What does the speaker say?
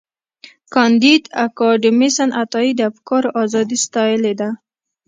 کانديد اکاډميسن عطایي د افکارو ازادي ستایلې ده.